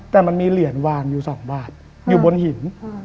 แต่มันมีเหรียญวางอยู่๒บาทอยู่บนหิน